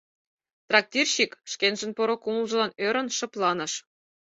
Трактирщик, шкенжын поро кумылжылан ӧрын, шыпланыш.